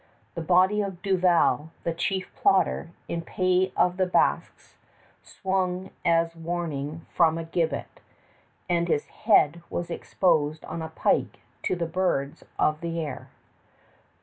The body of Duval, the chief plotter, in pay of the Basques, swung as warning from a gibbet; and his head was exposed on a pike to the birds of the air.